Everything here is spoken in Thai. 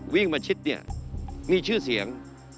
วิ่งเข้ามาชิดมีชื่อเสียง